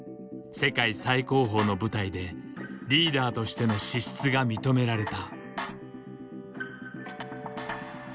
世界最高峰の舞台でリーダーとしての資質が認められた。